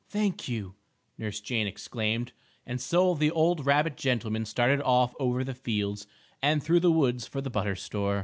"Thank you," Nurse Jane exclaimed, and so the old rabbit gentleman started off over the fields and through the woods for the butter store.